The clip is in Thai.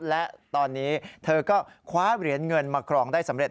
และตอนนี้เธอก็คว้าเหรียญเงินมาครองได้สำเร็